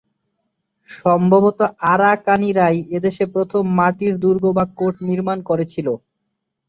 সম্ভবত আরাকানিরাই এদেশে প্রথম মাটির দুর্গ বা কোট নির্মাণ করেছিল।